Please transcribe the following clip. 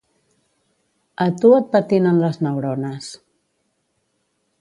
A tu et patinen les neurones